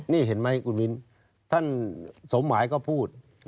นี่เห็นไหมคุณมินท่านสมหมายก็พูด